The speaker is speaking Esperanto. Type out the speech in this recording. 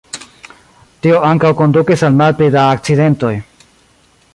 Tio ankaŭ kondukis al malpli da akcidentoj.